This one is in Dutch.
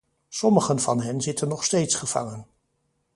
Sommigen van hen zitten nog steeds gevangen.